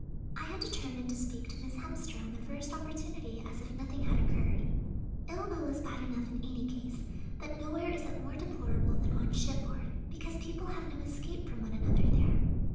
I had determined to speak to Miss Hemster on the first opportunity as if nothing had occurred. Ill will is bad enough in any case, but nowhere is it more deplorable than on shipboard, because people have no escape from one another there.